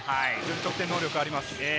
得点能力あります。